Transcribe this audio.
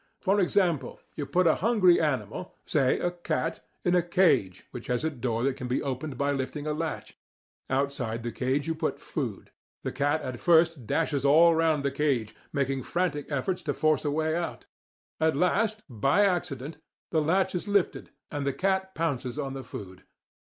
* For example: you put a hungry animal, say a cat, in a cage which has a door that can be opened by lifting a latch; outside the cage you put food. The cat at first dashes all round the cage, making frantic efforts to force a way out. At last, by accident, the latch is lifted and the cat pounces on the food.